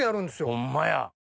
ホンマや。